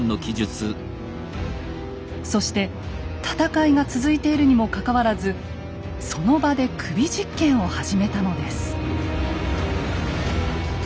そして戦いが続いているにもかかわらずその場で首実検を始めたのです。